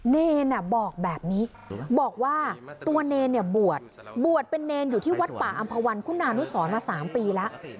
เนรบอกแบบนี้บอกว่าตัวเนรเนี่ยบวชบวชเป็นเนรอยู่ที่วัดป่าอำภาวันคุณานุสรมา๓ปีแล้ว